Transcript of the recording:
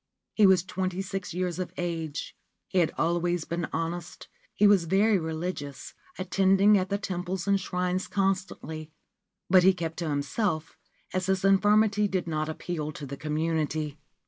He was twenty six years of age ; he had always been honest ; he was very religious, attending at the temples and shrines H3 15 Ancient Tales and Folklore of Japan constantly ; but he kept to himself, as his infirmity did not appeal to the community.